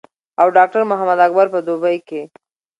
او ډاکټر محمد اکبر پۀ دوبۍ کښې